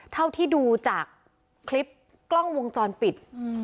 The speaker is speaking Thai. เท่าที่ดูจากคลิปกล้องวงจรปิด